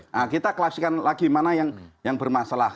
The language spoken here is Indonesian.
nah kita klasikkan lagi mana yang bermasalah